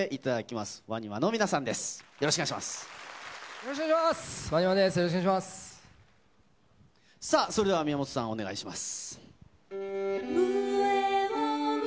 よろしくさあ、それでは宮本さん、お願いします。